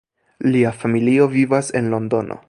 Lia familio vivas en Londono.